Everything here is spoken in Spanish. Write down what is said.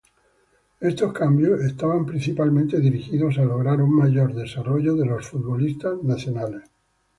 Estos cambios estaban principalmente dirigidos a lograr un mayor desarrollo de los futbolistas nacionales.